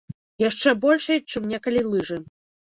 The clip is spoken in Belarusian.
Яшчэ большай, чым некалі лыжы.